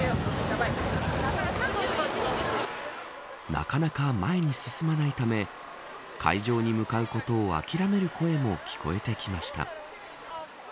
なかなか前に進まないため会場に向かうことを諦める声も聞こえてきました。